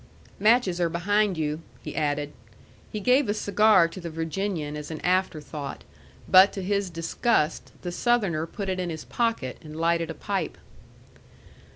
"Matches are behind you," he added. He gave a cigar to the Virginian as an afterthought, but to his disgust, the Southerner put it in his pocket and lighted a pipe.